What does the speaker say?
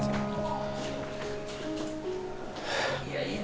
siapa yang semula ner phew entertainment nyambek